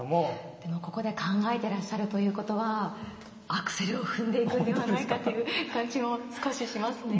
でもここで考えてらっしゃるということはアクセルを踏んでいくんではないかという感じも少ししますね。